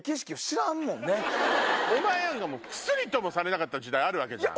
おまえクスりともされなかった時代あるわけじゃん。